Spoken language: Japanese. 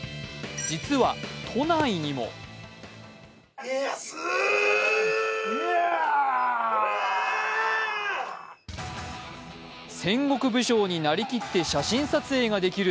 実は都内にも戦国武将になりきって写真撮影ができる